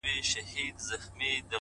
چپ سه دا خبر حالات راته وايي;